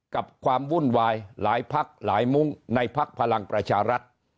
ที่ทำวุ่นวายหลายภักร์หลายมุมในภักรพารังประชารัฐ